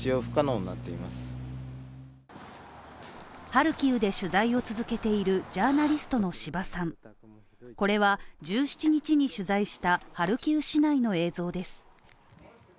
ハルキウで取材を続けているジャーナリストの志葉さん、これは１７日に取材した、ハルキウ市内の映像です。